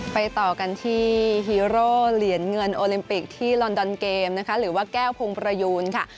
ต่อกันที่ฮีโร่เหรียญเงินโอลิมปิกที่ลอนดอนเกมนะคะหรือว่าแก้วพงประยูนค่ะ